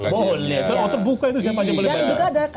boleh karena otot buka itu siapa aja yang boleh lihat